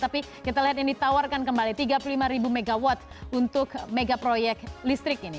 tapi kita lihat ini ditawarkan kembali tiga puluh lima mw untuk megaproyek listrik ini